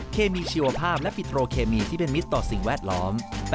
เคมีชีวภาพและปิโตรเคมีที่เป็นมิตรต่อสิ่งแวดล้อม